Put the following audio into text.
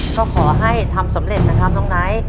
ก็ขอให้ทำสำเร็จนะครับน้องไนท์